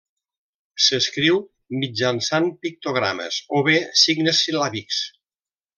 S'escriu mitjançant pictogrames o bé amb signes sil·làbics.